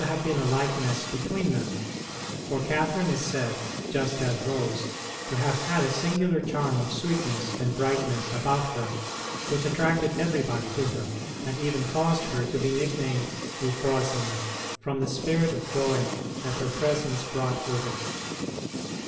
ROSE OF LIMA been a likeness between them ; for Catherine is said, just as Rose, to have had a singular charm of sweetness and brightness about her which attracted everybody to her, and even caused her to be nicknamed Euphrosyne, from the spirit of joy that her presence brought with it.